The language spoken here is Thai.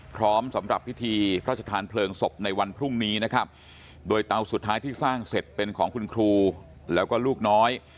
สำหรับพิธีพระชธานเพลิงศพในวันพรุ่งนี้นะครับโดยเตาสุดท้ายที่สร้างเสร็จเป็นของคุณครูแล้วก็ลูกน้อย